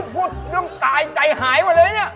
พูดเรื่องตายใจหายหมดเลยเนี่ย